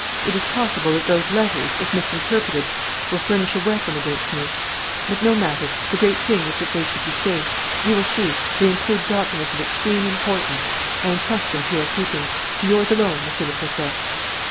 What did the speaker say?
It is possible that those letters, if misinterpreted, will furnish a weapon against me; but no matter. The great thing is that they should be safe. You will see. They include documents of extreme importance. I entrust them to your keeping to yours alone, Monsieur le Préfet."